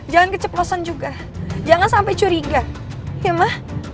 jangan keceplosan juga jangan sampai curiga ya mah